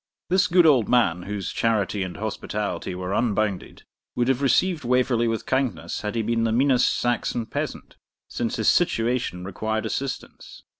This good old man, whose charity and hospitality were unbounded, would have received Waverley with kindness had he been the meanest Saxon peasant, since his situation required assistance.